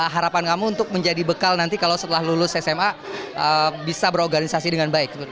harapan kamu untuk menjadi bekal nanti kalau setelah lulus sma bisa berorganisasi dengan baik